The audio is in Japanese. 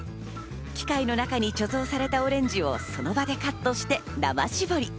機械の中に貯蔵されたオレンジをその場でカットして生絞り。